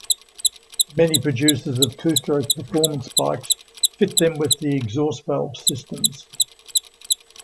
Many producers of two-stroke performance bikes fit them with the exhaust valve systems.